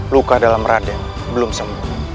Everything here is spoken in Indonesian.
luka dalam raden belum sembuh